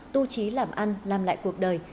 tu trí làm ăn làm lại cuộc đời